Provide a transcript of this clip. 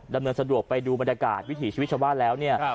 ดำเนินสะดวกไปดูบรรยากาศวิถีชีวิตชาวบ้านแล้วเนี่ย